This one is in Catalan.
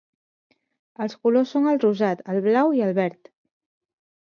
Els colors són el rosat, el blau i el verd.